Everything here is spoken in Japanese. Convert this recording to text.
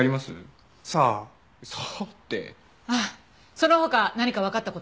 その他何かわかった事は？